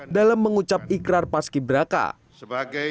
dalam mengucap ikrar paski braka sebagai